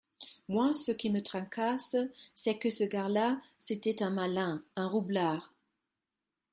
Moi, ce qui me tracasse, c’est que ce gars-là, c’était un malin, un roublard.